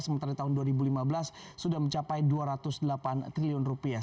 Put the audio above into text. sementara di tahun dua ribu lima belas sudah mencapai dua ratus delapan triliun rupiah